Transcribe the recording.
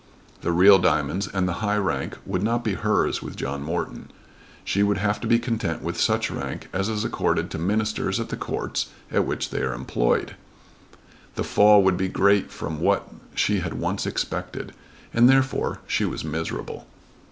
The real diamonds and the high rank would not be hers with John Morton. She would have to be content with such rank as is accorded to Ministers at the Courts at which they are employed. The fall would be great from what she had once expected, and therefore she was miserable.